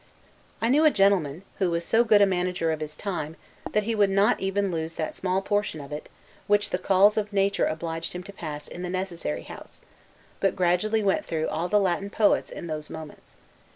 I knew a gentleman, who was so good a manager of his time, that he would not even lose that small portion of it, which the calls of nature obliged him to pass in the necessary house; but gradually went through all the Latin poets, in those moments.